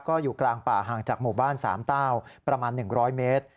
ก็อยู่กลางป่าห่างจากหมู่บ้านสามเต้าประมาณ๑๐๐เมตร